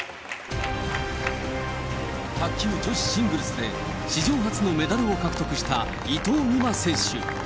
卓球女子シングルスで、史上初のメダルを獲得した伊藤美誠選手。